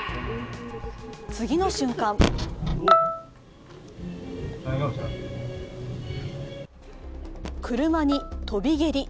次の瞬間車に跳び蹴り。